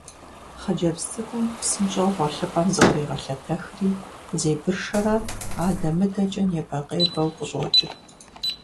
Хъыджэбз цӏыкӏум псынщӏэу гъуэлъыпӏэм зыкърегъэлъэтэхри, зебыршэрэ адэ-мыдэкӏэ небэ-къебэу къыщӏокӏыр.